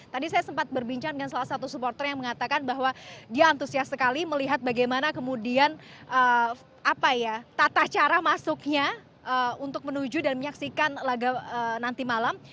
tadi saya sempat berbincang dengan salah satu supporter yang mengatakan bahwa dia antusias sekali melihat bagaimana kemudian tata cara masuknya untuk menuju dan menyaksikan laga nanti malam